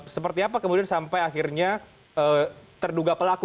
seperti apa kemudian sampai akhirnya terduga pelaku